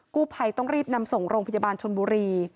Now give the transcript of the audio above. กู้ภัยต้องรีบนำส่งโรงพยาบาลชนบุรี